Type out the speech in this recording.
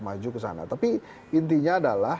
maju ke sana tapi intinya adalah